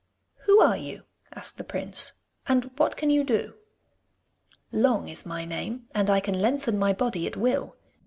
'Who are you?' asked the prince, 'and what can you do?' 'Long is my name, and I can lengthen my body at will.